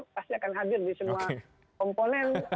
pasti akan hadir di semua komponen